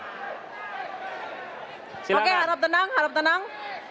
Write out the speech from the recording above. oke harap tenang harap tenang